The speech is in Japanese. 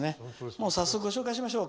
もう早速ご紹介しましょう。